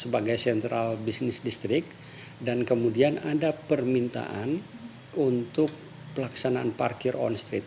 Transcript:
sebagai sentral bisnis distrik dan kemudian ada permintaan untuk pelaksanaan parkir on street